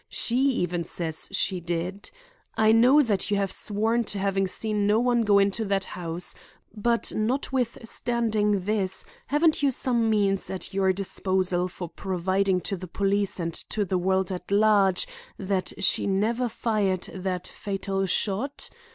She even says she did. I know that you have sworn to having seen no one go into that house; but notwithstanding this, haven't you some means at your disposal for proving to the police and to the world at large that she never fired that fatal shot?